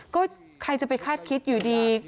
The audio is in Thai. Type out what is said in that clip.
ก็ใครจะไปคาดคิดอยู่ดี